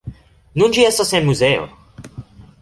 Nun ĝi estas en muzeo.